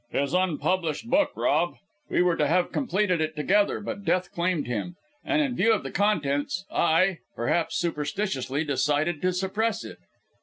"His unpublished book, Rob. We were to have completed it, together, but death claimed him, and in view of the contents, I perhaps superstitiously decided to suppress it....